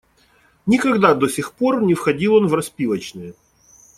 Никогда до сих пор не входил он в распивочные.